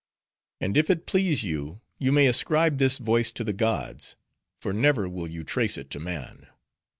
"And if it please you, you may ascribe this voice to the gods: for never will you trace it to man.